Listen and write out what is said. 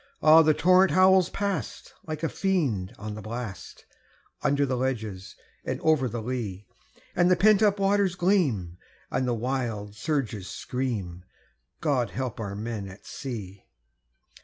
Ah! the torrent howls past, like a fiend on the blast, Under the ledges and over the lea; And the pent waters gleam, and the wild surges scream God help our men at sea!